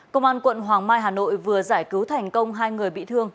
công an quận hoàng mai hà nội vừa giải cứu thành công hai người bị thương